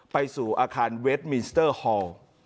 ไปสู่อาคารเวทมินสเตอร์ฮอล์